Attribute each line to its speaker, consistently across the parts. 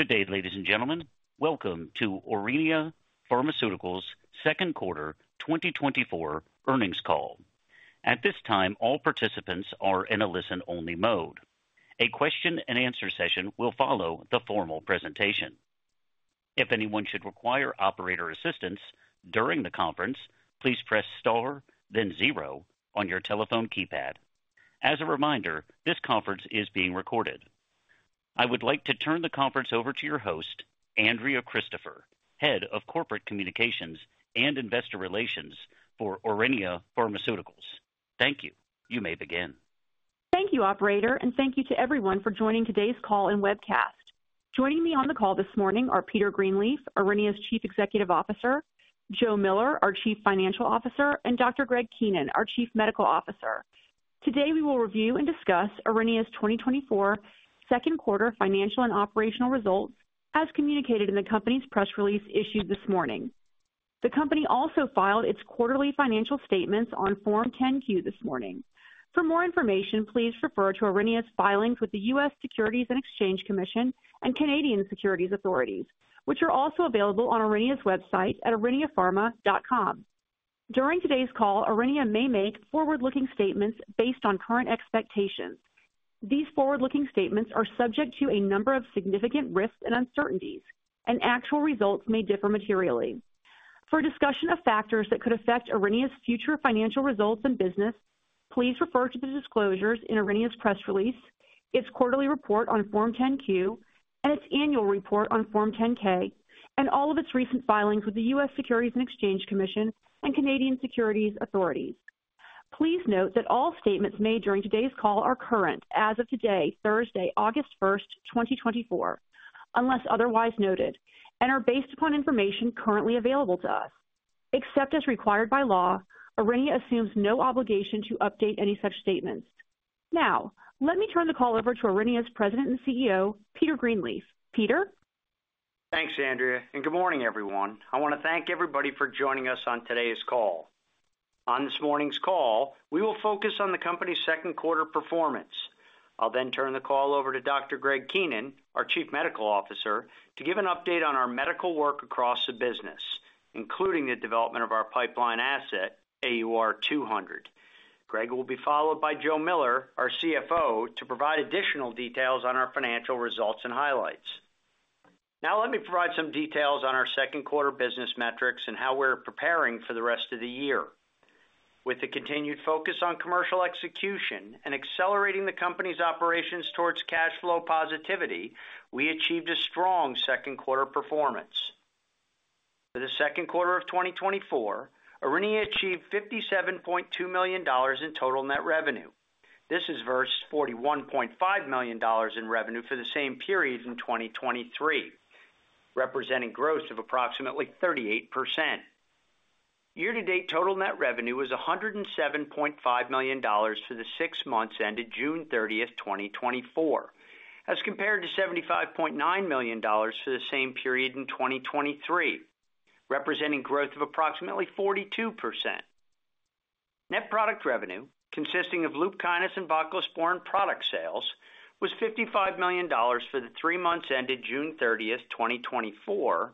Speaker 1: Good day, ladies and gentlemen. Welcome to Aurinia Pharmaceuticals' second quarter 2024 earnings call. At this time, all participants are in a listen-only mode. A question and answer session will follow the formal presentation. If anyone should require operator assistance during the conference, please press star, then zero on your telephone keypad. As a reminder, this conference is being recorded. I would like to turn the conference over to your host, Andrea Christopher, Head of Corporate Communications and Investor Relations for Aurinia Pharmaceuticals. Thank you. You may begin.
Speaker 2: Thank you, Operator, and thank you to everyone for joining today's call and webcast. Joining me on the call this morning are Peter Greenleaf, Aurinia's Chief Executive Officer; Joe Miller, our Chief Financial Officer; and Dr. Greg Keenan, our Chief Medical Officer. Today, we will review and discuss Aurinia's 2024 second quarter financial and operational results, as communicated in the company's press release issued this morning. The company also filed its quarterly financial statements on Form 10-Q this morning. For more information, please refer to Aurinia's filings with the U.S. Securities and Exchange Commission and Canadian Securities Authorities, which are also available on Aurinia's website at auriniapharma.com. During today's call, Aurinia may make forward-looking statements based on current expectations. These forward-looking statements are subject to a number of significant risks and uncertainties, and actual results may differ materially. For a discussion of factors that could affect Aurinia's future financial results and business, please refer to the disclosures in Aurinia's press release, its quarterly report on Form 10-Q, and its annual report on Form 10-K, and all of its recent filings with the U.S. Securities and Exchange Commission and Canadian Securities Authorities. Please note that all statements made during today's call are current as of today, Thursday, August 1st, 2024, unless otherwise noted, and are based upon information currently available to us. Except as required by law, Aurinia assumes no obligation to update any such statements. Now, let me turn the call over to Aurinia's President and CEO, Peter Greenleaf. Peter?
Speaker 3: Thanks, Andrea, and good morning, everyone. I want to thank everybody for joining us on today's call. On this morning's call, we will focus on the company's second quarter performance. I'll then turn the call over to Dr. Greg Keenan, our Chief Medical Officer, to give an update on our medical work across the business, including the development of our pipeline asset, AUR200. Greg will be followed by Joe Miller, our CFO, to provide additional details on our financial results and highlights. Now, let me provide some details on our second quarter business metrics and how we're preparing for the rest of the year. With the continued focus on commercial execution and accelerating the company's operations towards cash flow positivity, we achieved a strong second quarter performance. For the second quarter of 2024, Aurinia achieved $57.2 million in total net revenue. This is versus $41.5 million in revenue for the same period in 2023, representing growth of approximately 38%. Year-to-date total net revenue was $107.5 million for the six months ended June 30th, 2024, as compared to $75.9 million for the same period in 2023, representing growth of approximately 42%. Net product revenue, consisting of LUPKYNIS and voclosporin product sales, was $55 million for the three months ended June 30th, 2024,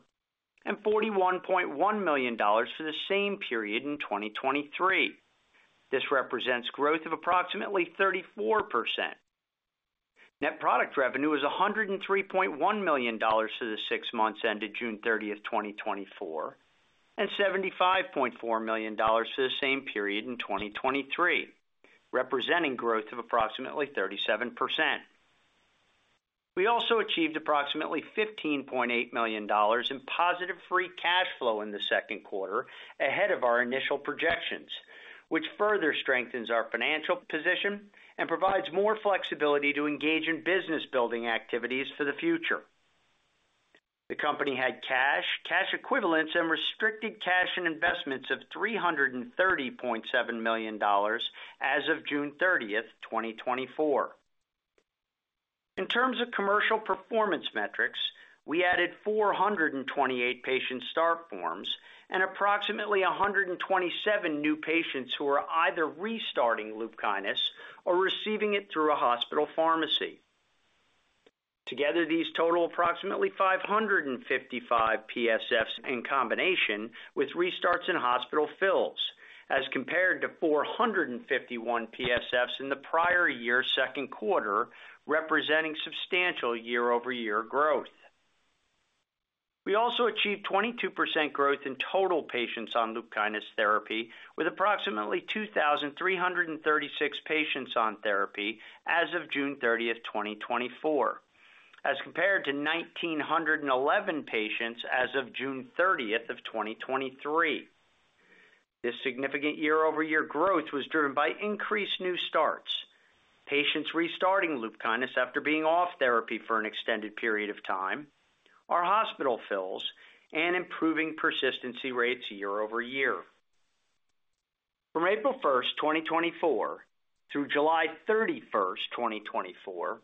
Speaker 3: and $41.1 million for the same period in 2023. This represents growth of approximately 34%. Net product revenue was $103.1 million for the six months ended June 30th, 2024, and $75.4 million for the same period in 2023, representing growth of approximately 37%. We also achieved approximately $15.8 million in positive free cash flow in the second quarter, ahead of our initial projections, which further strengthens our financial position and provides more flexibility to engage in business-building activities for the future. The company had cash, cash equivalents, and restricted cash and investments of $330.7 million as of June 30th, 2024. In terms of commercial performance metrics, we added 428 Patient Start Forms and approximately 127 new patients who are either restarting LUPKYNIS or receiving it through a hospital pharmacy. Together, these total approximately 555 PSFs in combination with restarts in hospital fills, as compared to 451 PSFs in the prior year's second quarter, representing substantial year-over-year growth. We also achieved 22% growth in total patients on LUPKYNIS therapy, with approximately 2,336 patients on therapy as of June 30th, 2024, as compared to 1,911 patients as of June 30th, 2023. This significant year-over-year growth was driven by increased new starts. Patients restarting LUPKYNIS after being off therapy for an extended period of time, our hospital fills, and improving persistency rates year-over-year. From April 1st, 2024, through July 31st, 2024,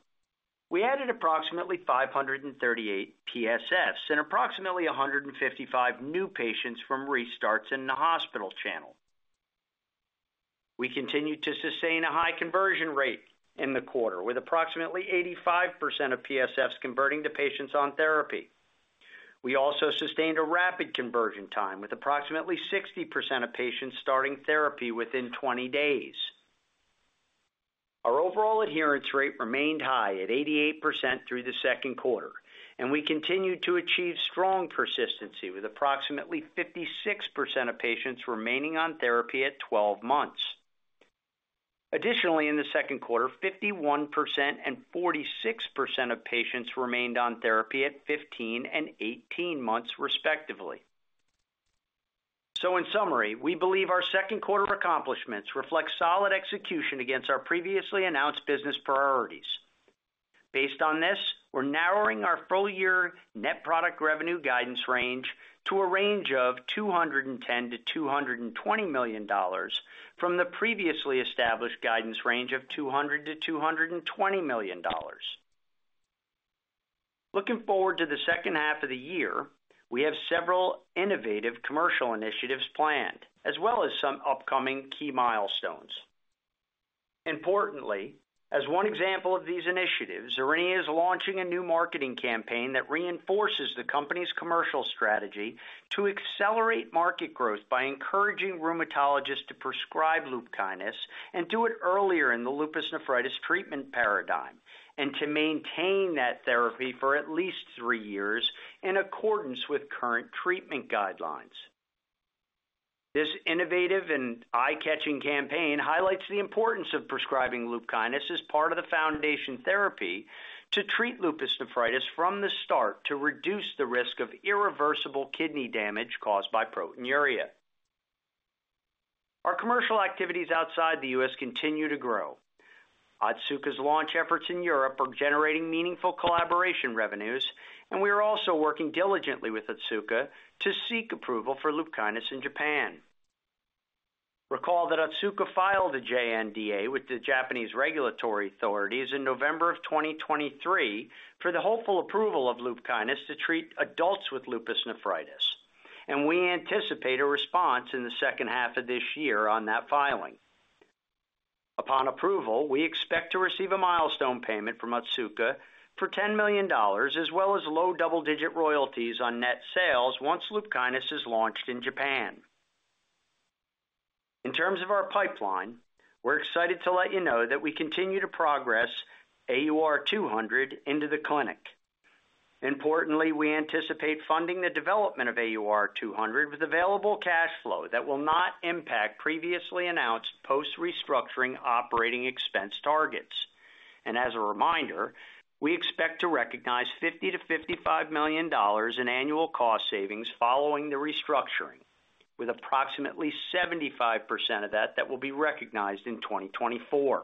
Speaker 3: we added approximately 538 PSFs and approximately 155 new patients from restarts in the hospital channel. We continued to sustain a high conversion rate in the quarter, with approximately 85% of PSFs converting to patients on therapy. We also sustained a rapid conversion time, with approximately 60% of patients starting therapy within 20 days. Our overall adherence rate remained high at 88% through the second quarter, and we continued to achieve strong persistency, with approximately 56% of patients remaining on therapy at 12 months. Additionally, in the second quarter, 51% and 46% of patients remained on therapy at 15 and 18 months, respectively. In summary, we believe our second quarter accomplishments reflect solid execution against our previously announced business priorities. Based on this, we're narrowing our full-year net product revenue guidance range to a range of $210 million-$220 million, from the previously established guidance range of $200 million-$220 million. Looking forward to the second half of the year, we have several innovative commercial initiatives planned, as well as some upcoming key milestones. Importantly, as one example of these initiatives, Aurinia is launching a new marketing campaign that reinforces the company's commercial strategy to accelerate market growth by encouraging rheumatologists to prescribe LUPKYNIS, and do it earlier in the lupus nephritis treatment paradigm, and to maintain that therapy for at least three years, in accordance with current treatment guidelines. This innovative and eye-catching campaign highlights the importance of prescribing LUPKYNIS as part of the foundation therapy to treat lupus nephritis from the start, to reduce the risk of irreversible kidney damage caused by proteinuria. Our commercial activities outside the U.S. continue to grow. Otsuka's launch efforts in Europe are generating meaningful collaboration revenues, and we are also working diligently with Otsuka to seek approval for LUPKYNIS in Japan. Recall that Otsuka filed a JNDA with the Japanese regulatory authorities in November of 2023 for the hopeful approval of LUPKYNIS to treat adults with lupus nephritis, and we anticipate a response in the second half of this year on that filing. Upon approval, we expect to receive a milestone payment from Otsuka for $10 million, as well as low double-digit royalties on net sales once LUPKYNIS is launched in Japan. In terms of our pipeline, we're excited to let you know that we continue to progress AUR200 into the clinic. Importantly, we anticipate funding the development of AUR200 with available cash flow that will not impact previously announced post-restructuring operating expense targets. As a reminder, we expect to recognize $50 million-$55 million in annual cost savings following the restructuring, with approximately 75% of that that will be recognized in 2024.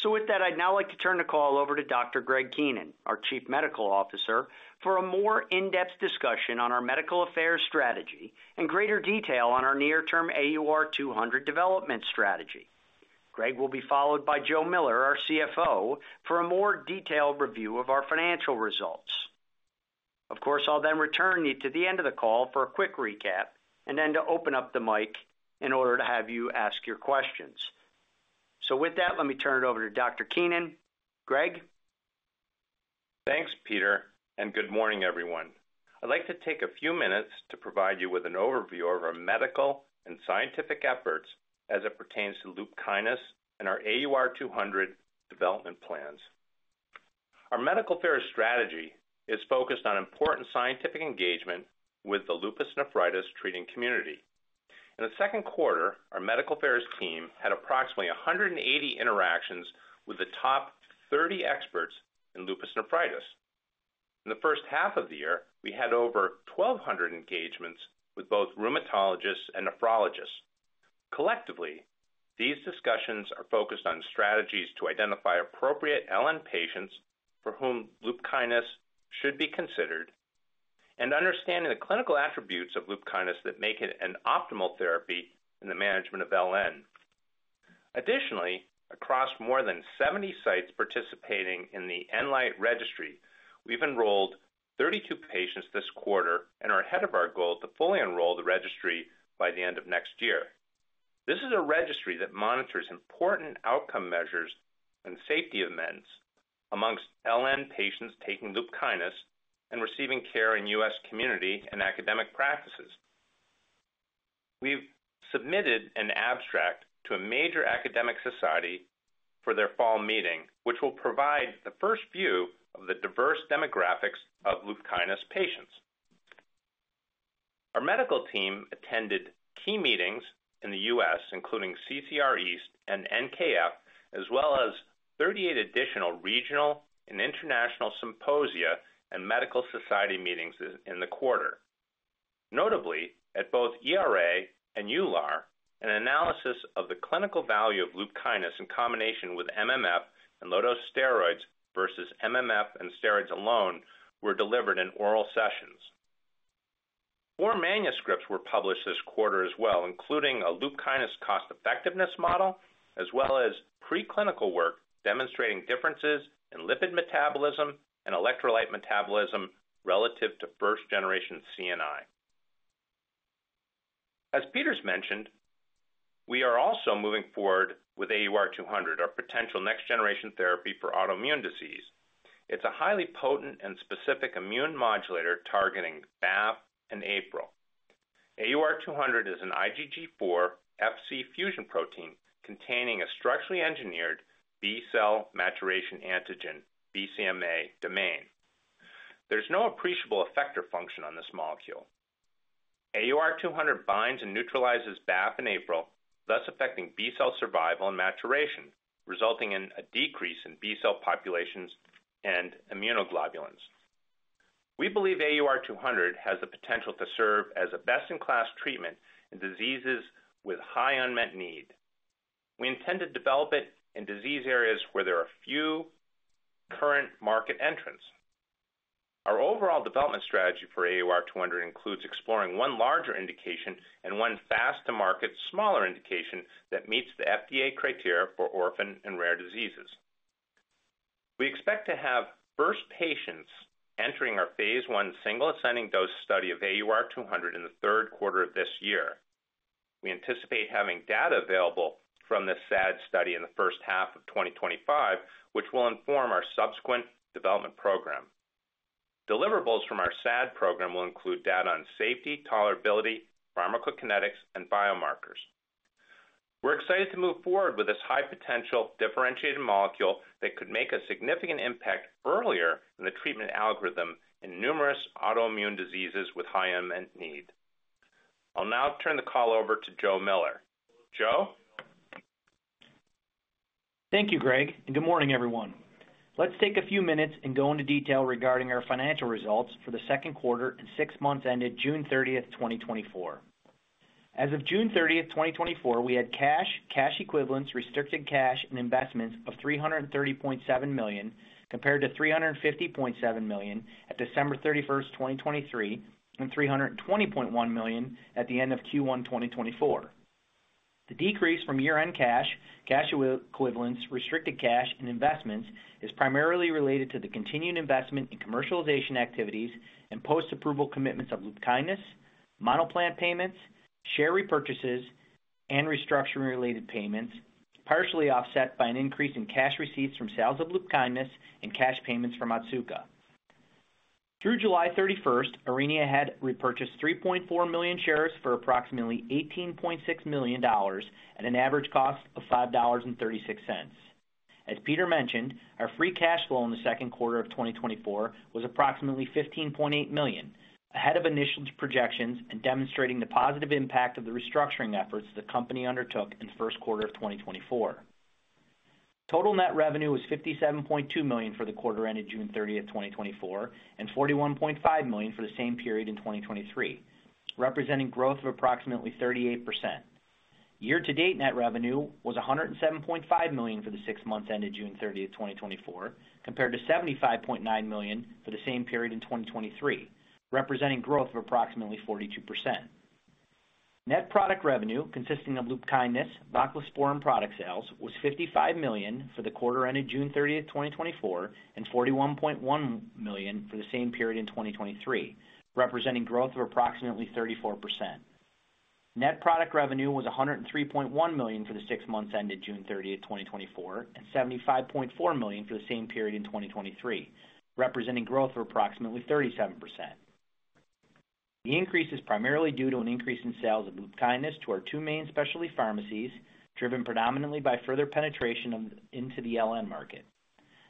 Speaker 3: So with that, I'd now like to turn the call over to Dr. Greg Keenan, our Chief Medical Officer, for a more in-depth discussion on our medical affairs strategy and greater detail on our near-term AUR200 development strategy. Greg will be followed by Joe Miller, our CFO, for a more detailed review of our financial results. Of course, I'll then return you to the end of the call for a quick recap, and then to open up the mic in order to have you ask your questions. So with that, let me turn it over to Dr. Keenan. Greg?
Speaker 4: Thanks, Peter, and good morning, everyone. I'd like to take a few minutes to provide you with an overview of our medical and scientific efforts as it pertains to LUPKYNIS and our AUR200 development plans. Our medical affairs strategy is focused on important scientific engagement with the lupus nephritis treating community. In the second quarter, our medical affairs team had approximately 180 interactions with the top 30 experts in lupus nephritis. In the first half of the year, we had over 1,200 engagements with both rheumatologists and nephrologists. Collectively, these discussions are focused on strategies to identify appropriate LN patients for whom LUPKYNIS should be considered, and understanding the clinical attributes of LUPKYNIS that make it an optimal therapy in the management of LN. Additionally, across more than 70 sites participating in the ENLIGHT-LN registry, we've enrolled 32 patients this quarter and are ahead of our goal to fully enroll the registry by the end of next year. This is a registry that monitors important outcome measures and safety events among LN patients taking LUPKYNIS and receiving care in US community and academic practices. We've submitted an abstract to a major academic society for their fall meeting, which will provide the first view of the diverse demographics of LUPKYNIS patients. Our medical team attended key meetings in the U.S., including CCR East and NKF, as well as 38 additional regional and international symposia and medical society meetings in the quarter. Notably, at both ERA and EULAR, an analysis of the clinical value of LUPKYNIS in combination with MMF and low-dose steroids versus MMF and steroids alone were delivered in oral sessions. Four manuscripts were published this quarter as well, including a LUPKYNIS cost-effectiveness model, as well as preclinical work demonstrating differences in lipid metabolism and electrolyte metabolism relative to first-generation CNIs. As Peter’s mentioned, we are also moving forward with AUR200, our potential next-generation therapy for autoimmune disease. It’s a highly potent and specific immune modulator targeting BAFF and APRIL. AUR200 is an IgG4 Fc fusion protein containing a structurally engineered B-cell maturation antigen, BCMA domain. There’s no appreciable effector function on this molecule. AUR200 binds and neutralizes BAFF and APRIL, thus affecting B-cell survival and maturation, resulting in a decrease in B-cell populations and immunoglobulins. We believe AUR200 has the potential to serve as a best-in-class treatment in diseases with high unmet need. We intend to develop it in disease areas where there are few current market entrants. Our overall development strategy for AUR200 includes exploring one larger indication and one fast-to-market, smaller indication that meets the FDA criteria for orphan and rare diseases. We expect to have first patients entering our phase I single ascending dose study of AUR200 in the third quarter of this year. We anticipate having data available from this SAD study in the first half of 2025, which will inform our subsequent development program. Deliverables from our SAD program will include data on safety, tolerability, pharmacokinetics, and biomarkers. We're excited to move forward with this high-potential differentiated molecule that could make a significant impact earlier in the treatment algorithm in numerous autoimmune diseases with high unmet need. I'll now turn the call over to Joe Miller. Joe?
Speaker 5: Thank you, Greg, and good morning, everyone. Let's take a few minutes and go into detail regarding our financial results for the second quarter and six months ended June 30th, 2024. As of June 30th, 2024, we had cash, cash equivalents, restricted cash, and investments of $330.7 million, compared to $350.7 million at December 31st, 2023, and $320.1 million at the end of Q1 2024. The decrease from year-end cash, cash equivalents, restricted cash, and investments is primarily related to the continued investment in commercialization activities and post-approval commitments of LUPKYNIS, Monoplant payments, share repurchases, and restructuring-related payments, partially offset by an increase in cash receipts from sales of LUPKYNIS and cash payments from Otsuka. Through July 31st, Aurinia had repurchased 3.4 million shares for approximately $18.6 million at an average cost of $5.36. As Peter mentioned, our free cash flow in the second quarter of 2024 was approximately $15.8 million, ahead of initial projections and demonstrating the positive impact of the restructuring efforts the company undertook in the first quarter of 2024. Total net revenue was $57.2 million for the quarter ended June 30th, 2024, and $41.5 million for the same period in 2023, representing growth of approximately 38%. Year-to-date net revenue was $107.5 million for the six months ended June 30th, 2024, compared to $75.9 million for the same period in 2023, representing growth of approximately 42%. Net product revenue, consisting of LUPKYNIS (voclosporin) product sales, was $55 million for the quarter ended June 30th, 2024, and $41.1 million for the same period in 2023, representing growth of approximately 34%. Net product revenue was $103.1 million for the six months ended June 30th, 2024, and $75.4 million for the same period in 2023, representing growth of approximately 37%. The increase is primarily due to an increase in sales of LUPKYNIS to our two main specialty pharmacies, driven predominantly by further penetration into the LN market.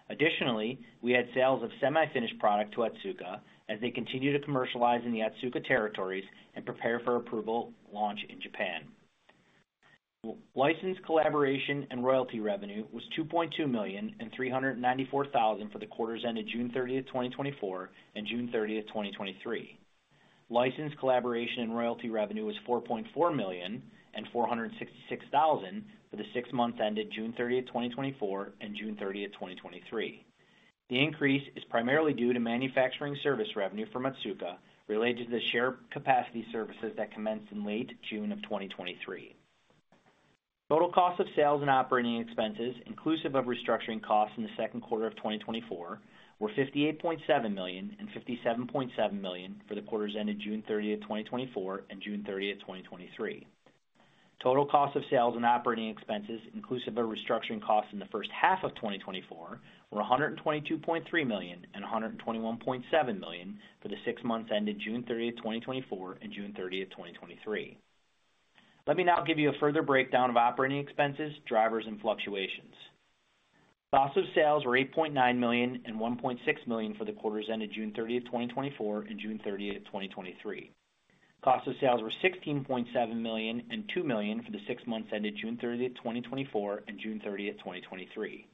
Speaker 5: Additionally, we had sales of semi-finished product to Otsuka as they continue to commercialize in the Otsuka territories and prepare for approval launch in Japan. License collaboration and royalty revenue was $2.2 million and $394,000 for the quarters ended June 30th, 2024, and June 30th, 2023. License collaboration and royalty revenue was $4.4 million and $466,000 for the six months ended June 30th, 2024, and June 30th, 2023. The increase is primarily due to manufacturing service revenue from Otsuka related to the shared capacity services that commenced in late June 2023. Total cost of sales and operating expenses, inclusive of restructuring costs in the second quarter of 2024, were $58.7 million and $57.7 million for the quarters ended June 30th, 2024, and June 30th, 2023. Total cost of sales and operating expenses, inclusive of restructuring costs in the first half of 2024, were $122.3 million and $121.7 million for the six months ended June 30th, 2024, and June 30th, 2023. Let me now give you a further breakdown of operating expenses, drivers, and fluctuations. Cost of sales were $8.9 million and $1.6 million for the quarters ended June 30th, 2024, and June 30th, 2023. Cost of sales were $16.7 million and $2 million for the six months ended June 30th, 2024, and June 30th, 2023.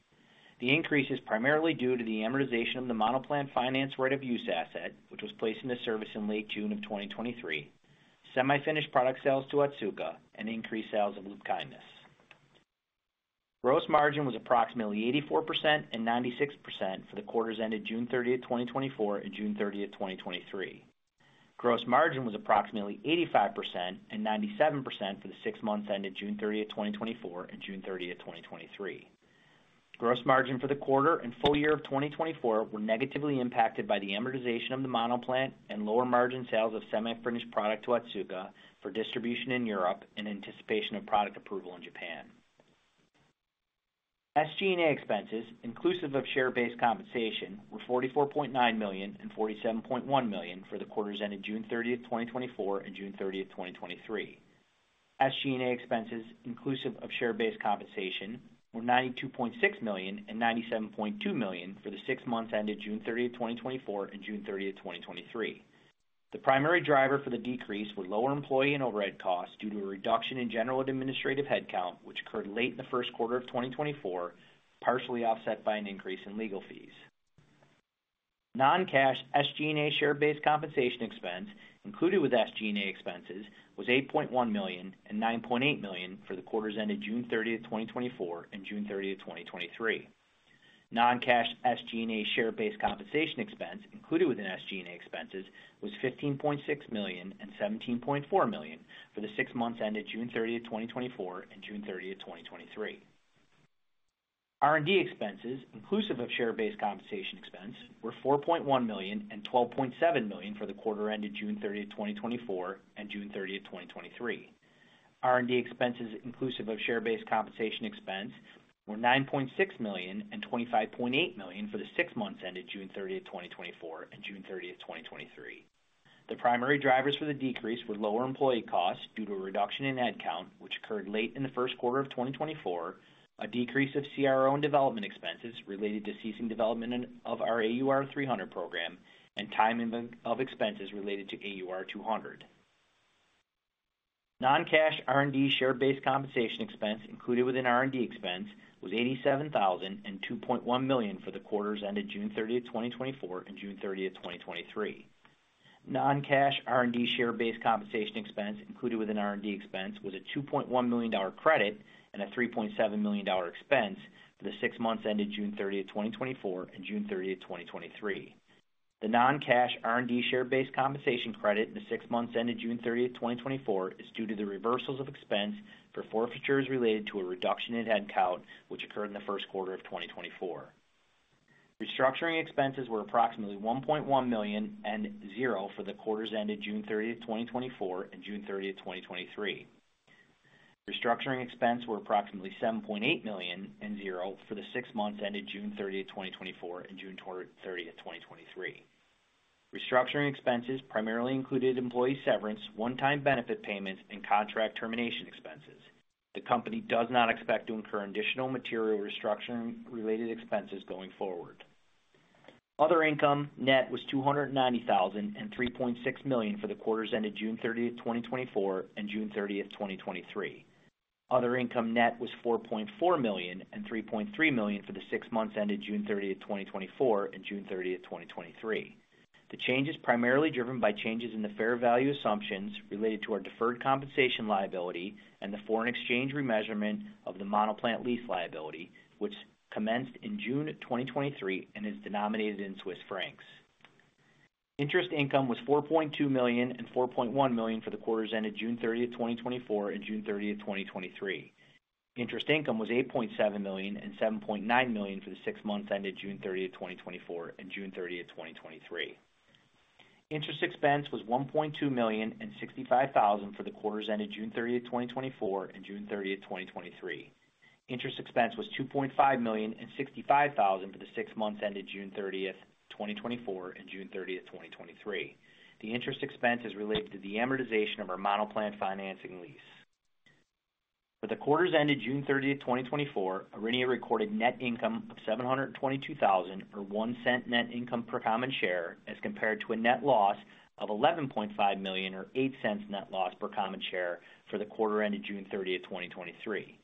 Speaker 5: The increase is primarily due to the amortization of the Monoplant finance right-of-use asset, which was placed into service in late June of 2023, semi-finished product sales to Otsuka, and increased sales of LUPKYNIS. Gross margin was approximately 84% and 96% for the quarters ended June thirtieth, 2024, and June 30th, 2023. Gross margin was approximately 85% and 97% for the six months ended June 30th, 2024, and June thirtieth, 2023....Gross margin for the quarter and full year of 2024 were negatively impacted by the amortization of the Monoplant and lower margin sales of semifinished product to Otsuka for distribution in Europe in anticipation of product approval in Japan. SG&A expenses, inclusive of share-based compensation, were $44.9 million and $47.1 million for the quarters ended June 30th, 2024 and June 30th, 2023. SG&A expenses, inclusive of share-based compensation, were $92.6 million and $97.2 million for the six months ended June 30th, 2024 and June thirtieth, 2023. The primary driver for the decrease were lower employee and overhead costs due to a reduction in general and administrative headcount, which occurred late in the first quarter of 2024, partially offset by an increase in legal fees. Non-cash SG&A share-based compensation expense included with SG&A expenses was $8.1 million and $9.8 million for the quarters ended June 30th, 2024 and June 30, 2023. Non-cash SG&A share-based compensation expense included within SG&A expenses was $15.6 million and $17.4 million for the six months ended June 30th, 2024 and June 30th, 2023. R&D expenses, inclusive of share-based compensation expense, were $4.1 million and $12.7 million for the quarter ended June 30th, 2024 and June 30th, 2023. R&D expenses, inclusive of share-based compensation expense, were $9.6 million and $25.8 million for the six months ended June 30th, 2024 and June 30th, 2023. The primary drivers for the decrease were lower employee costs due to a reduction in head count, which occurred late in the first quarter of 2024, a decrease of CRO and development expenses related to ceasing development of our AUR300 program, and timing of expenses related to AUR200. Non-cash R&D share-based compensation expense included within R&D expense was $87,000 and $2.1 million for the quarters ended June 30th, 2024 and June 30th, 2023. Non-cash R&D share-based compensation expense included within R&D expense was a $2.1 million credit and a $3.7 million expense for the six months ended June 30th, 2024 and June 30th, 2023. The non-cash R&D share-based compensation credit in the six months ended June 30th, 2024, is due to the reversals of expense for forfeitures related to a reduction in headcount, which occurred in the first quarter of 2024. Restructuring expenses were approximately $1.1 million and $0 for the quarters ended June 30th, 2024 and June 30th, 2023. Restructuring expense were approximately $7.8 million and $0 for the six months ended June 30th, 2024 and June 30th, 2023. Restructuring expenses primarily included employee severance, one-time benefit payments, and contract termination expenses. The company does not expect to incur additional material restructuring-related expenses going forward. Other income net was $290,000 and $3.6 million for the quarters ended June 30th, 2024 and June 30th, 2023. Other income net was $4.4 million and $3.3 million for the six months ended June 30th, 2024 and June 30th, 2023. The change is primarily driven by changes in the fair value assumptions related to our deferred compensation liability and the foreign exchange remeasurement of the Monoplant lease liability, which commenced in June 2023 and is denominated in Swiss francs. Interest income was $4.2 million and $4.1 million for the quarters ended June 30th, 2024 and June 30th, 2023. Interest income was $8.7 million and $7.9 million for the six months ended June 30th, 2024 and June 30th, 2023. Interest expense was $1.2 million and $65,000 for the quarters ended June 30th, 2024 and June 30th, 2023. Interest expense was $2.5 million and $65,000 for the six months ended June 30th, 2024 and June 30th, 2023. The interest expense is related to the amortization of our Monoplant financing lease. For the quarters ended June 30th, 2024, Aurinia recorded net income of $722,000, or $0.01 net income per common share, as compared to a net loss of $11.5 million, or $0.08 net loss per common share, for the quarter ended June 30th, 2023.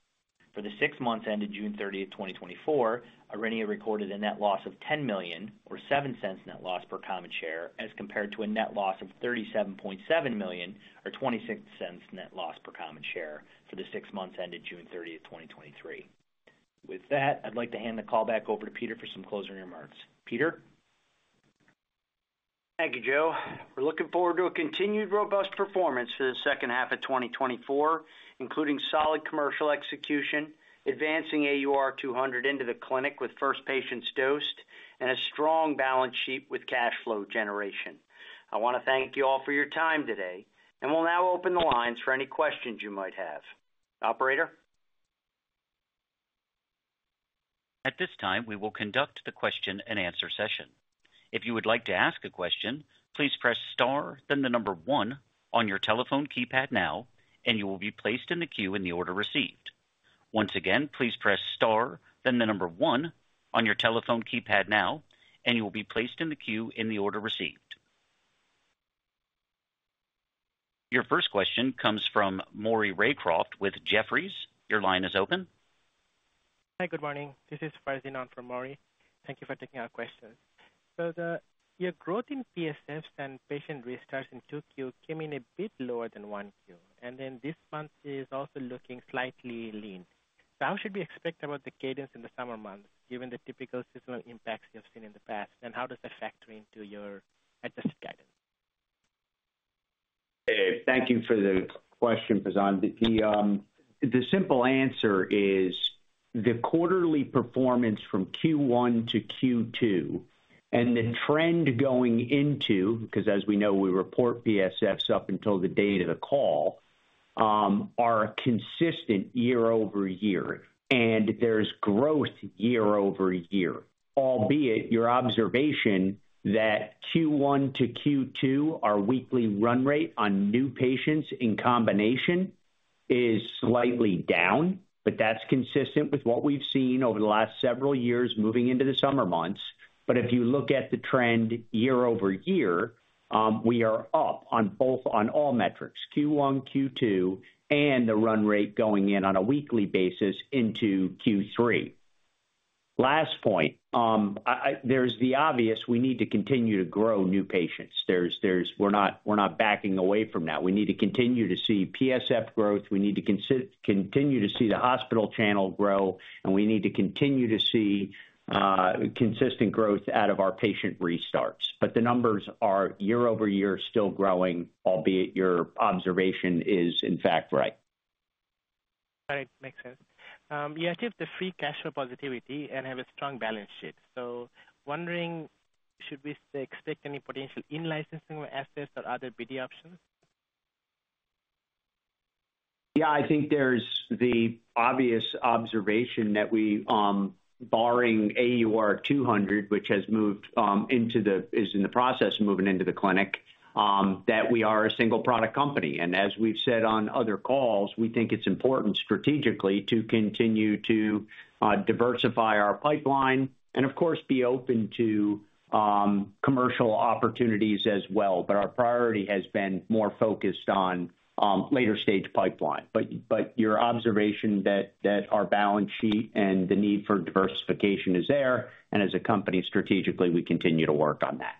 Speaker 5: For the six months ended June 30th, 2024, Aurinia recorded a net loss of $10 million, or $0.07 net loss per common share, as compared to a net loss of $37.7 million, or $0.26 net loss per common share, for the six months ended June 30th, 2023. With that, I'd like to hand the call back over to Peter for some closing remarks. Peter?
Speaker 3: Thank you, Joe. We're looking forward to a continued robust performance for the second half of 2024, including solid commercial execution, advancing AUR200 into the clinic with first patients dosed, and a strong balance sheet with cash flow generation. I want to thank you all for your time today, and we'll now open the lines for any questions you might have. Operator?
Speaker 1: At this time, we will conduct the question-and-answer session. If you would like to ask a question, please press star, then the number one on your telephone keypad now, and you will be placed in the queue in the order received. Once again, please press star, then the number one on your telephone keypad now, and you will be placed in the queue in the order received. Your first question comes from Maury Raycroft with Jefferies. Your line is open.
Speaker 6: Hi, good morning. This is Farzin Haque from Maury Raycroft. Thank you for taking our question. So, your growth in PSFs and patient restarts in 2Q came in a bit lower than 1Q, and then this month is also looking slightly lean. So how should we expect about the cadence in the summer months, given the typical seasonal impacts you've seen in the past? And how does that factor into your adjusted guidance?
Speaker 3: Hey, thank you for the question, Farzin. The, the simple answer is the quarterly performance from Q1 to Q2 and the trend going into, because as we know, we report PSFs up until the date of the call, are consistent year-over-year, and there's growth year-over-year. Albeit your observation that Q1 to Q2, our weekly run rate on new patients in combination is slightly down, but that's consistent with what we've seen over the last several years moving into the summer months. But if you look at the trend year-over-year, we are up on both, on all metrics, Q1, Q2, and the run rate going in on a weekly basis into Q3. Last point, I, there's the obvious, we need to continue to grow new patients. There's... We're not, we're not backing away from that. We need to continue to see PSF growth. We need to continue to see the hospital channel grow, and we need to continue to see consistent growth out of our patient restarts. But the numbers are year-over-year, still growing, albeit your observation is, in fact, right.
Speaker 6: All right. Makes sense. You achieve the free cash flow positivity and have a strong balance sheet, so wondering, should we expect any potential in-licensing assets or other BD options?
Speaker 3: Yeah, I think there's the obvious observation that we, barring AUR200, which has moved into the-- is in the process of moving into the clinic, that we are a single product company. And as we've said on other calls, we think it's important strategically to continue to diversify our pipeline and, of course, be open to commercial opportunities as well. But our priority has been more focused on later stage pipeline. But your observation that that our balance sheet and the need for diversification is there, and as a company, strategically, we continue to work on that.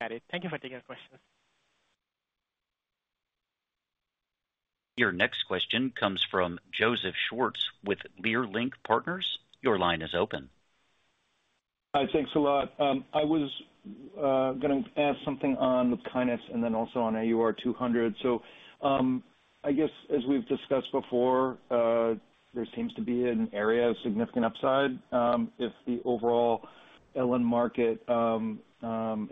Speaker 6: Got it. Thank you for taking the question.
Speaker 1: Your next question comes from Joseph Schwartz, with Leerink Partners. Your line is open.
Speaker 7: Hi, thanks a lot. I was gonna ask something on LUPKYNIS and then also on AUR200. So, I guess as we've discussed before, there seems to be an area of significant upside, if the overall LN market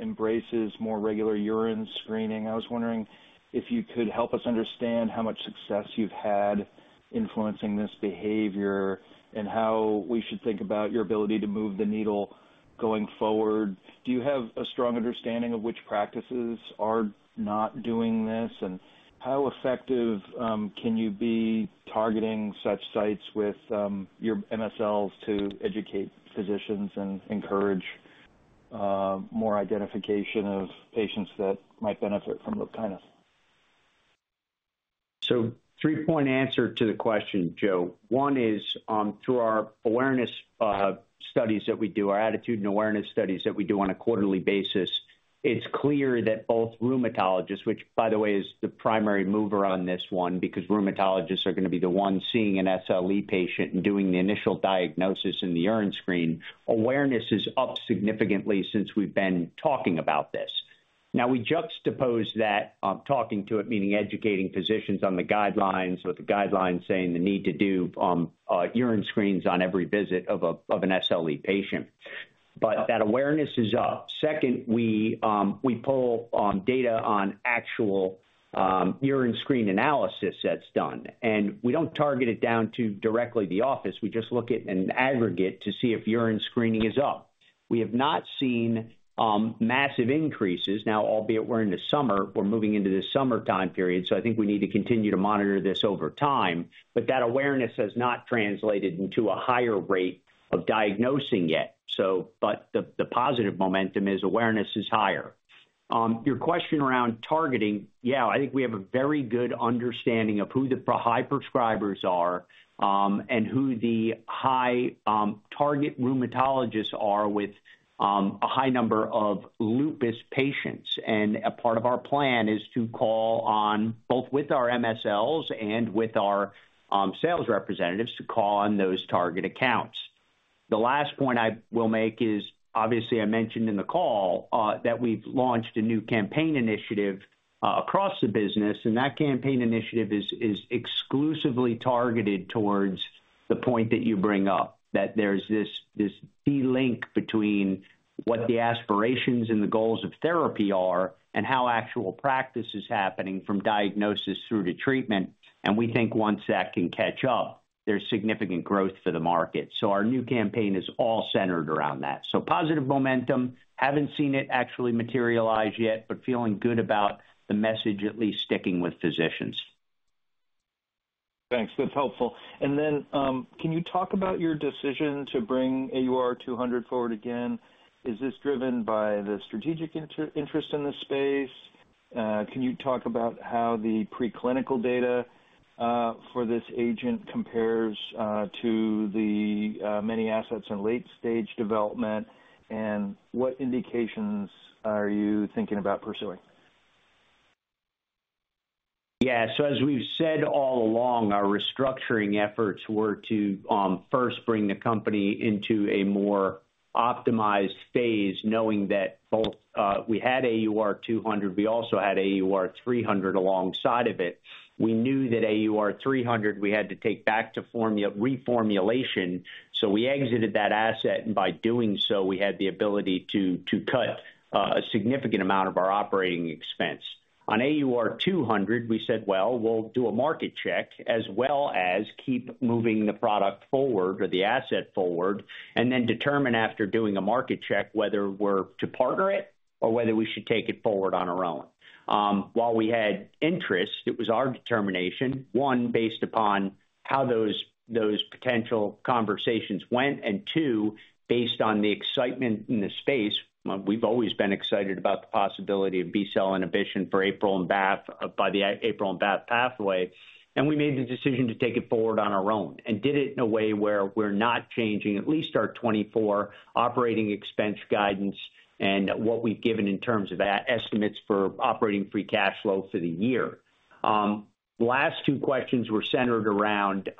Speaker 7: embraces more regular urine screening. I was wondering if you could help us understand how much success you've had influencing this behavior, and how we should think about your ability to move the needle going forward. Do you have a strong understanding of which practices are not doing this? And how effective can you be targeting such sites with your MSLs to educate physicians and encourage more identification of patients that might benefit from LUPKYNIS?
Speaker 3: So 3-point answer to the question, Joe. One is, through our awareness studies that we do, our attitude and awareness studies that we do on a quarterly basis, it's clear that both rheumatologists, which, by the way, is the primary mover on this one, because rheumatologists are gonna be the ones seeing an SLE patient and doing the initial diagnosis in the urine screen, awareness is up significantly since we've been talking about this. Now, we juxtapose that, talking to it, meaning educating physicians on the guidelines, with the guidelines saying the need to do urine screens on every visit of an SLE patient. But that awareness is up. Second, we pull data on actual urine screen analysis that's done, and we don't target it down to directly the office. We just look at an aggregate to see if urine screening is up. We have not seen massive increases. Now, albeit, we're in the summer, we're moving into the summertime period, so I think we need to continue to monitor this over time. But that awareness has not translated into a higher rate of diagnosing yet, so, But the positive momentum is awareness is higher. Your question around targeting, yeah, I think we have a very good understanding of who the pro-high prescribers are, and who the high target rheumatologists are with a high number of lupus patients. And a part of our plan is to call on, both with our MSLs and with our sales representatives, to call on those target accounts. The last point I will make is, obviously, I mentioned in the call, that we've launched a new campaign initiative, across the business, and that campaign initiative is, is exclusively targeted towards the point that you bring up, that there's this, this delink between what the aspirations and the goals of therapy are and how actual practice is happening from diagnosis through to treatment. And we think once that can catch up, there's significant growth for the market. So our new campaign is all centered around that. So positive momentum. Haven't seen it actually materialize yet, but feeling good about the message at least sticking with physicians.
Speaker 7: Thanks. That's helpful. And then, can you talk about your decision to bring AUR200 forward again? Is this driven by the strategic interest in this space? Can you talk about how the preclinical data for this agent compares to the many assets in late-stage development, and what indications are you thinking about pursuing?
Speaker 3: Yeah, so as we've said all along, our restructuring efforts were to first bring the company into a more optimized phase, knowing that both we had AUR200, we also had AUR300 alongside of it. We knew that AUR300, we had to take back to reformulation, so we exited that asset, and by doing so, we had the ability to cut a significant amount of our operating expense. On AUR200, we said: Well, we'll do a market check, as well as keep moving the product forward or the asset forward, and then determine after doing a market check, whether we're to partner it or whether we should take it forward on our own. While we had interest, it was our determination, one, based upon how those potential conversations went, and two, based on the excitement in the space. We've always been excited about the possibility of B-cell inhibition for APRIL and BAFF by the APRIL and BAFF pathway, and we made the decision to take it forward on our own and did it in a way where we're not changing at least our 2024 operating expense guidance and what we've given in terms of our estimates for operating free cash flow for the year. Last two questions were centered around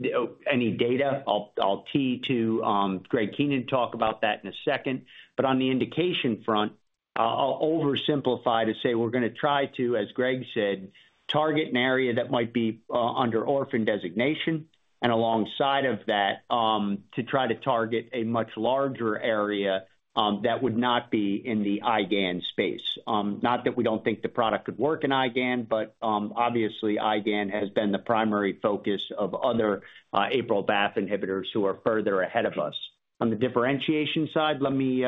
Speaker 3: any data. I'll turn to Greg Keenan to talk about that in a second. But on the indication front, I'll oversimplify to say we're gonna try to, as Greg said, target an area that might be under orphan designation, and alongside of that, to try to target a much larger area that would not be in the IgAN space. Not that we don't think the product could work in IgAN, but obviously, IgAN has been the primary focus of other APRIL/BAFF inhibitors who are further ahead of us. On the differentiation side, let me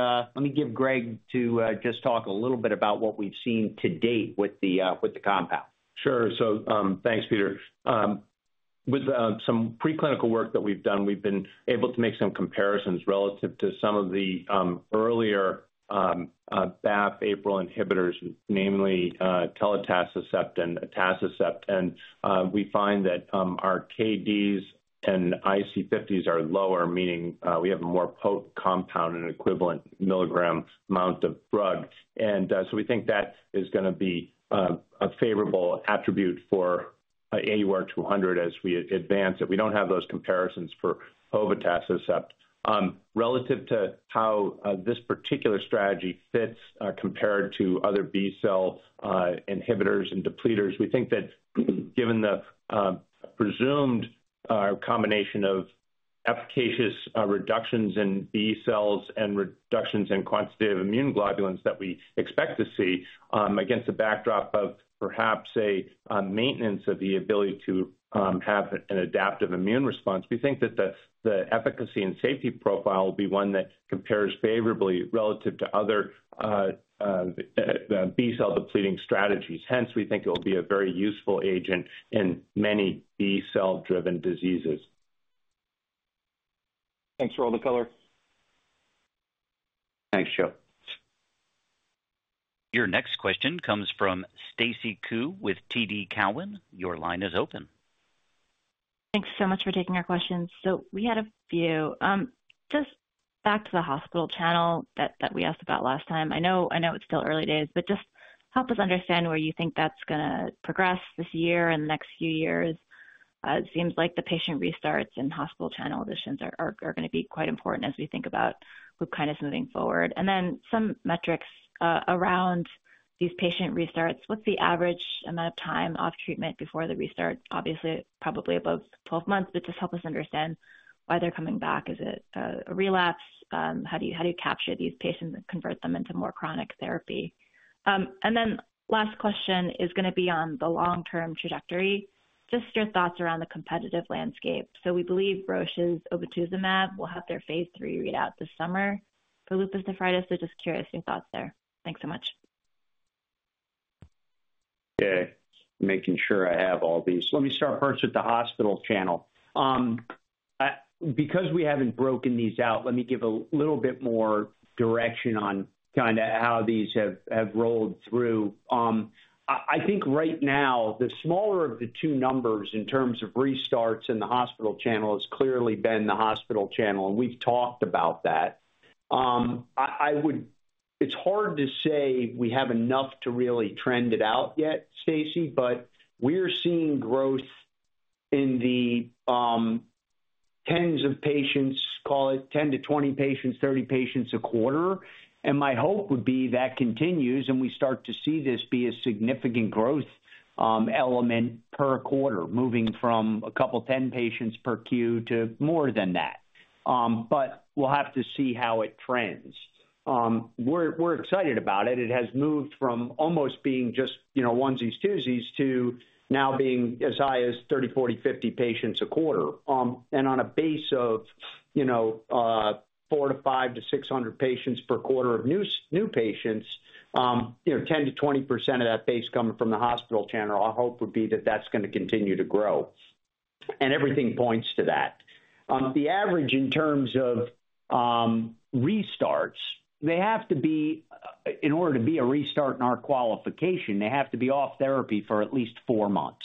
Speaker 3: give Greg to just talk a little bit about what we've seen to date with the compound.
Speaker 4: Sure. So, thanks, Peter. With some preclinical work that we've done, we've been able to make some comparisons relative to some of the earlier BAFF/APRIL inhibitors, namely, telitacicept and atacicept. And we find that our KDs and IC50s are lower, meaning we have a more potent compound and equivalent milligram amount of drug. And so we think that is gonna be a favorable attribute for AUR200 as we advance, and we don't have those comparisons for povetacicept. Relative to how this particular strategy fits compared to other B-cell inhibitors and depleters, we think that given the presumed combination of efficacious reductions in B-cells and reductions in quantitative immune globulins that we expect to see against the backdrop of perhaps a maintenance of the ability to have an adaptive immune response, we think that the efficacy and safety profile will be one that compares favorably relative to other B-cell depleting strategies. Hence, we think it will be a very useful agent in many B-cell driven diseases.
Speaker 7: Thanks for all the color.
Speaker 3: Thanks, Joe.
Speaker 1: Your next question comes from Stacy Ku with TD Cowen. Your line is open.
Speaker 8: Thanks so much for taking our questions. We had a few. Just back to the hospital channel that we asked about last time. I know it's still early days, but just help us understand where you think that's gonna progress this year and the next few years. It seems like the patient restarts and hospital channel additions are gonna be quite important as we think about lupus moving forward. And then some metrics around these patient restarts. What's the average amount of time off treatment before the restart? Obviously, probably above 12 months, but just help us understand why they're coming back. Is it a relapse? How do you capture these patients and convert them into more chronic therapy? And then the last question is gonna be on the long-term trajectory. Just your thoughts around the competitive landscape. So we believe Roche's obinutuzumab will have their phase III readout this summer for lupus nephritis, so just curious your thoughts there. Thanks so much.
Speaker 3: Okay, making sure I have all these. Let me start first with the hospital channel. Because we haven't broken these out, let me give a little bit more direction on kinda how these have rolled through. I think right now, the smaller of the two numbers in terms of restarts in the hospital channel has clearly been the hospital channel, and we've talked about that. It's hard to say we have enough to really trend it out yet, Stacy, but we're seeing growth in the tens of patients, call it 10-20 patients, 30 patients a quarter, and my hope would be that continues, and we start to see this be a significant growth element per quarter, moving from a couple 10 patients per Q to more than that. But we'll have to see how it trends. We're excited about it. It has moved from almost being just, you know, onesies, twosies to now being as high as 30, 40, 50 patients a quarter. And on a base of, you know, 400-500-600 patients per quarter of new patients, you know, 10%-20% of that base coming from the hospital channel, our hope would be that that's gonna continue to grow, and everything points to that. The average in terms of restarts, they have to be in order to be a restart in our qualification, they have to be off therapy for at least four months.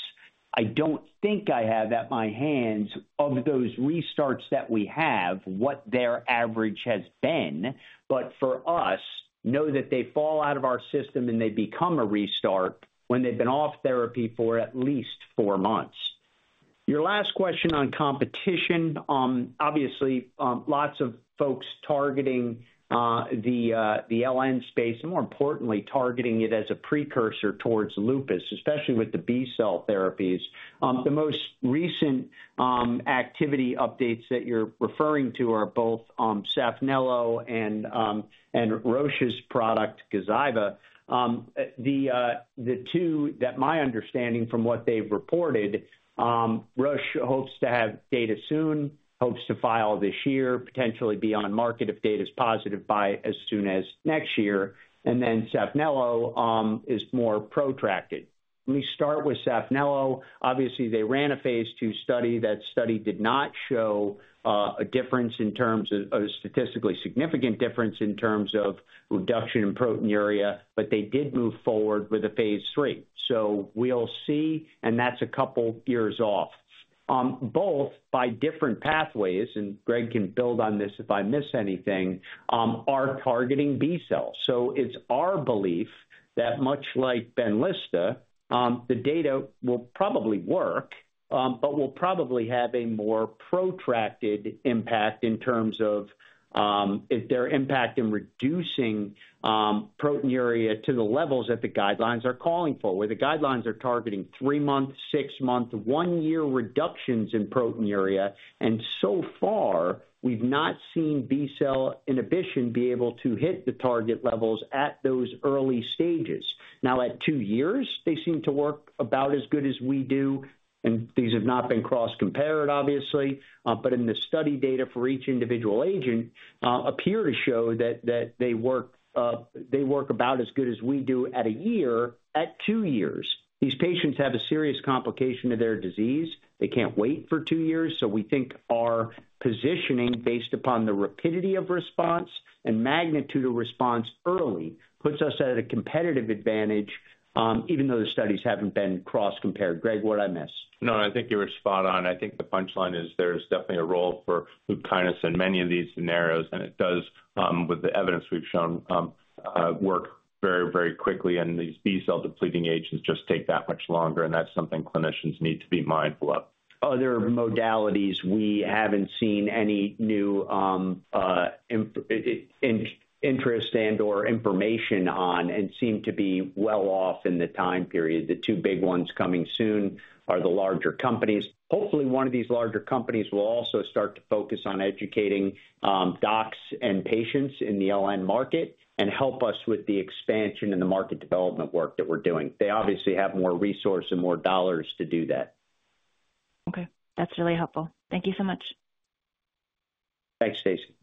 Speaker 3: I don't think I have at my hands, of those restarts that we have, what their average has been. But for us, know that they fall out of our system, and they become a restart when they've been off therapy for at least four months. Your last question on competition, obviously, lots of folks targeting the LN space, and more importantly, targeting it as a precursor towards lupus, especially with the B-cell therapies. The most recent activity updates that you're referring to are both SAPHNELO and Roche's product, Gazyva. The two that my understanding from what they've reported, Roche hopes to have data soon, hopes to file this year, potentially be on the market if data is positive, by as soon as next year. And then SAPHNELO is more protracted. Let me start with SAPHNELO. Obviously, they ran a phase II study. That study did not show, a difference in terms of, a statistically significant difference in terms of reduction in proteinuria, but they did move forward with a phase III. So we'll see, and that's a couple years off. Both by different pathways, and Greg can build on this if I miss anything, are targeting B-cells. So it's our belief that much like Benlysta, the data will probably work, but will probably have a more protracted impact in terms of, if their impact in reducing, proteinuria to the levels that the guidelines are calling for, where the guidelines are targeting three-month, six-month, one-year reductions in proteinuria, and so far, we've not seen B-cell inhibition be able to hit the target levels at those early stages. Now, at two years, they seem to work about as good as we do, and these have not been cross-compared, obviously, but in the study data for each individual agent, appear to show that, that they work, they work about as good as we do at a year, at two years. These patients have a serious complication of their disease. They can't wait for two years, so we think our positioning, based upon the rapidity of response and magnitude of response early, puts us at a competitive advantage, even though the studies haven't been cross-compared. Greg, what did I miss?
Speaker 4: No, I think you were spot on. I think the punchline is there's definitely a role for LUPKYNIS in many of these scenarios, and it does, with the evidence we've shown, work very, very quickly, and these B-cell depleting agents just take that much longer, and that's something clinicians need to be mindful of.
Speaker 3: Other modalities, we haven't seen any new, interest and/or information on, and seem to be well off in the time period. The two big ones coming soon are the larger companies. Hopefully, one of these larger companies will also start to focus on educating, docs and patients in the LN market and help us with the expansion and the market development work that we're doing. They obviously have more resource and more dollars to do that.
Speaker 8: Okay, that's really helpful. Thank you so much.
Speaker 3: Thanks, Stacy.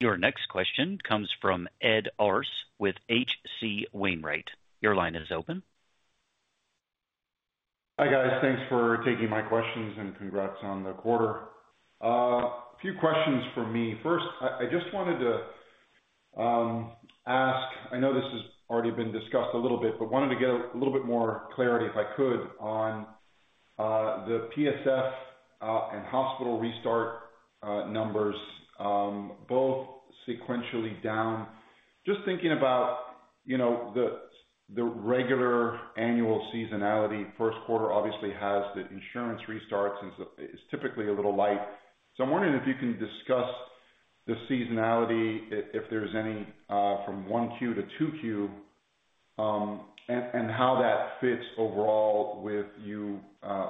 Speaker 1: Your next question comes from Ed Arce with HC Wainwright. Your line is open.
Speaker 9: Hi, guys. Thanks for taking my questions, and congrats on the quarter. A few questions from me. First, I just wanted to ask. I know this has already been discussed a little bit, but wanted to get a little bit more clarity, if I could, on the PSF and hospital restart numbers, both sequentially down. Just thinking about, you know, the regular annual seasonality. First quarter obviously has the insurance restarts, and so it's typically a little light. So I'm wondering if you can discuss the seasonality, if there's any, from 1Q to 2Q, and how that fits overall with you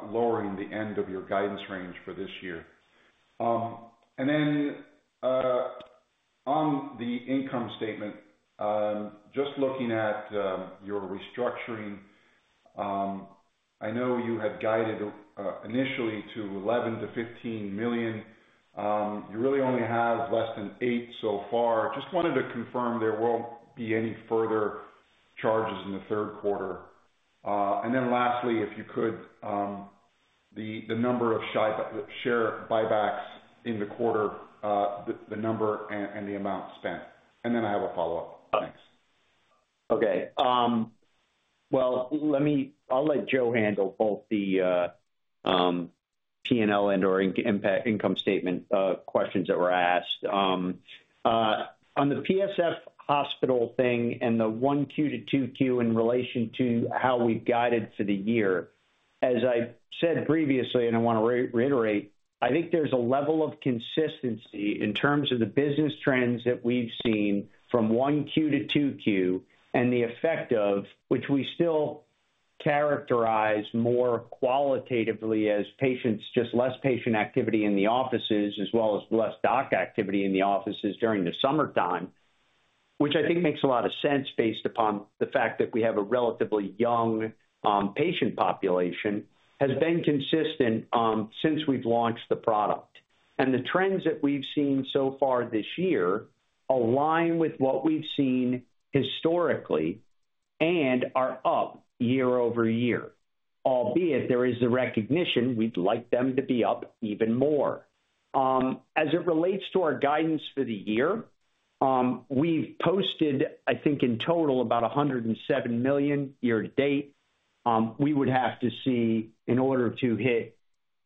Speaker 9: lowering the end of your guidance range for this year. And then, on the income statement, just looking at your restructuring, I know you had guided initially to $11 million-$15 million. You really only have less than $8 million so far. Just wanted to confirm there won't be any further charges in the third quarter. And then lastly, if you could, the number of share buybacks in the quarter, the number and the amount spent, and then I have a follow-up. Thanks.
Speaker 3: Okay, well, let me, I'll let Joe handle both the, P&L and/or impact income statement, questions that were asked. On the PSF hospital thing and the 1Q to 2Q in relation to how we've guided for the year, as I said previously, and I want to re-reiterate, I think there's a level of consistency in terms of the business trends that we've seen from 1Q to 2Q, and the effect of which we still characterize more qualitatively as patients, just less patient activity in the offices, as well as less doc activity in the offices during the summertime, which I think makes a lot of sense based upon the fact that we have a relatively young, patient population, has been consistent, since we've launched the product. The trends that we've seen so far this year align with what we've seen historically and are up year-over-year, albeit there is a recognition we'd like them to be up even more. As it relates to our guidance for the year. We've posted, I think, in total, about $107 million year-to-date. We would have to see in order to hit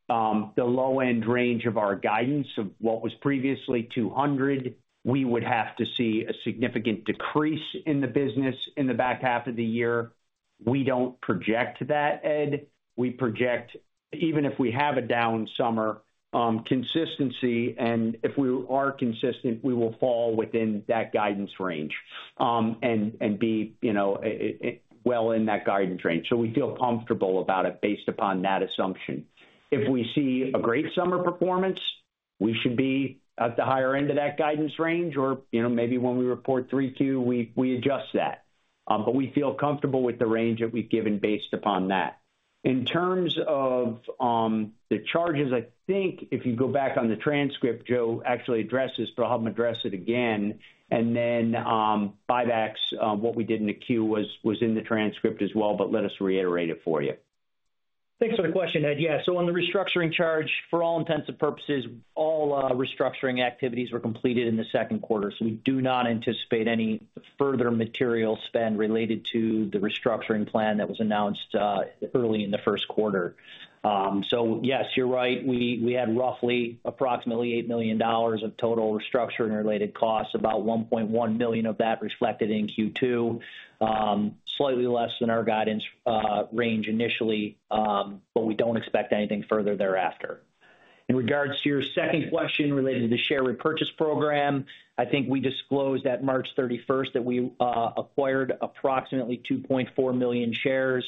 Speaker 3: the low-end range of our guidance of what was previously $200, we would have to see a significant decrease in the business in the back half of the year. We don't project that, Ed. We project, even if we have a down summer, consistency, and if we are consistent, we will fall within that guidance range, and be, you know, well in that guidance range. So we feel comfortable about it based upon that assumption. If we see a great summer performance, we should be at the higher end of that guidance range or, you know, maybe when we report 3Q, we adjust that. But we feel comfortable with the range that we've given based upon that. In terms of the charges, I think if you go back on the transcript, Joe actually addresses, but I'll have him address it again. And then buybacks, what we did in the Q was in the transcript as well, but let us reiterate it for you.
Speaker 5: Thanks for the question, Ed. Yeah, so on the restructuring charge, for all intents and purposes, all restructuring activities were completed in the second quarter, so we do not anticipate any further material spend related to the restructuring plan that was announced early in the first quarter. So yes, you're right, we had roughly approximately $8 million of total restructuring and related costs, about $1.1 million of that reflected in Q2. Slightly less than our guidance range initially, but we don't expect anything further thereafter. In regards to your second question related to the share repurchase program, I think we disclosed at March 31st that we acquired approximately 2.4 million shares.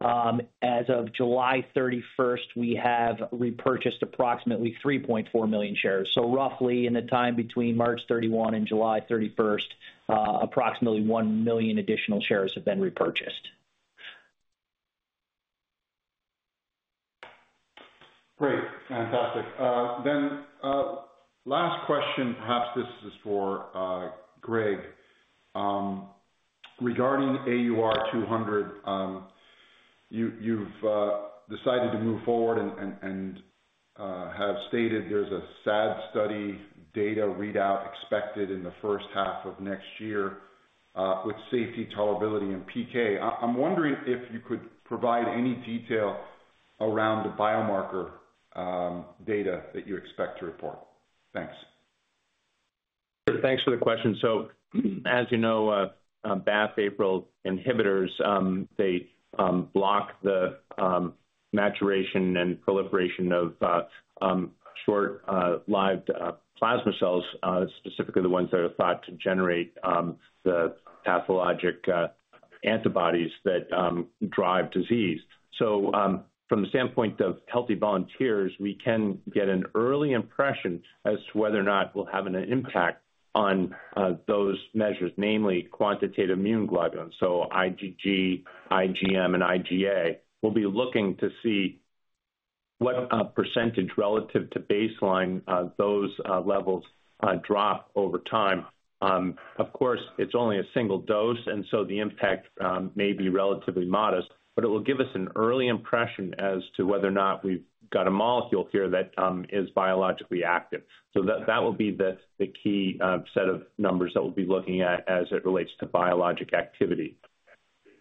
Speaker 5: As of July 31st, we have repurchased approximately 3.4 million shares. So roughly in the time between March 31 and July 31st, approximately 1 million additional shares have been repurchased.
Speaker 9: Great. Fantastic. Then, last question, perhaps this is for Greg. Regarding AUR200, you've decided to move forward and have stated there's a SAD study data readout expected in the first half of next year, with safety, tolerability, and PK. I'm wondering if you could provide any detail around the biomarker data that you expect to report. Thanks.
Speaker 4: Thanks for the question. So as you know, BAFF/APRIL inhibitors, they block the maturation and proliferation of short-lived plasma cells, specifically the ones that are thought to generate the pathologic antibodies that drive disease. So, from the standpoint of healthy volunteers, we can get an early impression as to whether or not we'll have an impact on those measures, namely quantitative immunoglobulin, so IgG, IgM, and IgA. We'll be looking to see what percentage relative to baseline those levels drop over time. Of course, it's only a single dose, and so the impact may be relatively modest, but it will give us an early impression as to whether or not we've got a molecule here that is biologically active. So that will be the key set of numbers that we'll be looking at as it relates to biologic activity.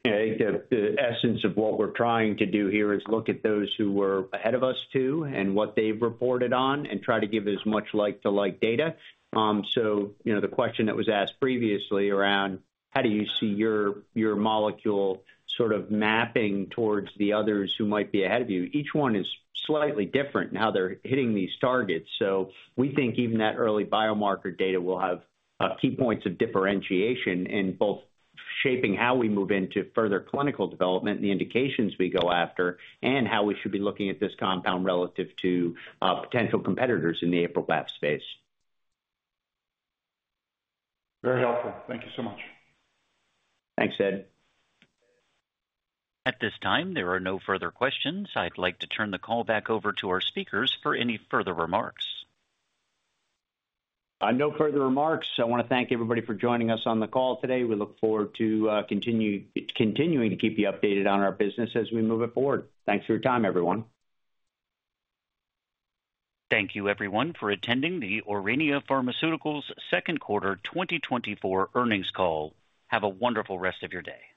Speaker 3: Yeah, I think the essence of what we're trying to do here is look at those who were ahead of us, too, and what they've reported on, and try to give as much like-to-like data. So, you know, the question that was asked previously around how do you see your molecule sort of mapping towards the others who might be ahead of you? Each one is slightly different in how they're hitting these targets. So we think even that early biomarker data will have key points of differentiation in both shaping how we move into further clinical development and the indications we go after, and how we should be looking at this compound relative to potential competitors in the APRIL/BAFF space.
Speaker 9: Very helpful. Thank you so much.
Speaker 3: Thanks, Ed.
Speaker 1: At this time, there are no further questions. I'd like to turn the call back over to our speakers for any further remarks.
Speaker 3: No further remarks. I want to thank everybody for joining us on the call today. We look forward to continuing to keep you updated on our business as we move it forward. Thanks for your time, everyone.
Speaker 1: Thank you, everyone, for attending the Aurinia Pharmaceuticals second quarter 2024 earnings call. Have a wonderful rest of your day.